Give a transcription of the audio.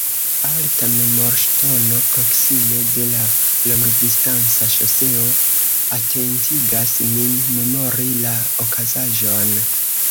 Alta memorŝtono proksime de la longdistanca ŝoseo atentigas nin memori la okazaĵon.